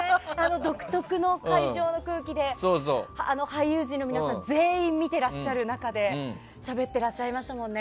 独特の会場の空気で俳優陣の皆さん全員見てらっしゃる中でしゃべっていらっしゃいましたもんね。